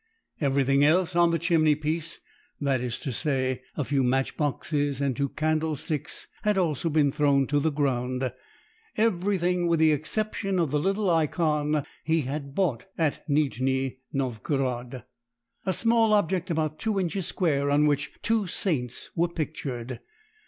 Everything else on the chimney piece, that is to say, a few matchboxes and two candle sticks, had also been thrown to the ground everything with the exception of the little Ikon he had bought at Nijni Novgorod, a small object about two inches square on which two Saints were pictured.